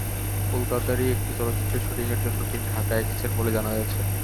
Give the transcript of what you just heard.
কলকাতারই একটি চলচ্চিত্রের শুটিংয়ের জন্য তিনি ঢাকায় এসেছেন বলে জানা গেছে।